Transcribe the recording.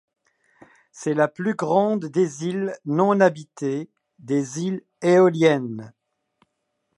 C'est la plus grande des îles non habitées des îles Éoliennes.